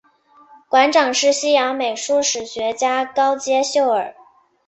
馆长是西洋美术史学家高阶秀尔。